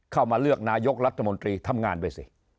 เลือกนายกรัฐมนตรีทำงานไปสิ